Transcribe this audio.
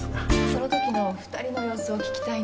そのときの二人の様子を聞きたいんですよ。